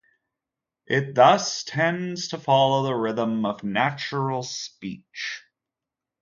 It thus tends to follow the rhythm of natural speech.